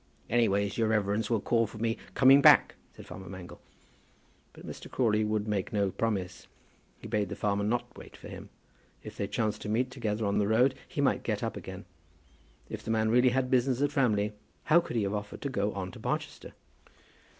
"Anyways, your reverence will call for me coming back?" said farmer Mangle. But Mr. Crawley would make no promise. He bade the farmer not wait for him. If they chanced to meet together on the road he might get up again. If the man really had business at Framley, how could he have offered to go on to Barchester?